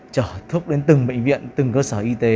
trở thuốc đến từng bệnh viện từng cơ sở y tế